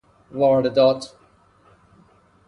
واردات